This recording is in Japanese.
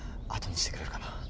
後にしてくれるかな？